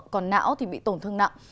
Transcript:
còn não thì bị tổn thương nặng